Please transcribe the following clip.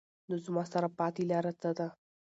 نو زما سره پاتې لار څۀ ده ؟